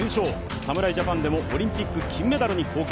侍ジャパンでもオリンピック金メダルに貢献。